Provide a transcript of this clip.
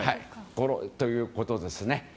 こういうことですね。